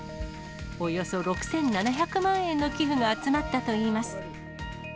およそ６７００万円の寄付が集まったといいます。